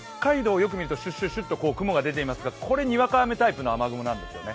よく見るとシュッシュッシュッと雲が出ていますがこれ、にわか雨タイプの雨雲なんですよね。